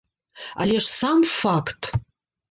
Але ж сам факт!